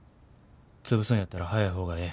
潰すんやったら早い方がええ。